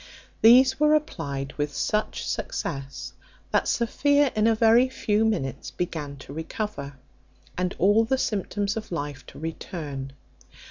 These were applied with such success, that Sophia in a very few minutes began to recover, and all the symptoms of life to return.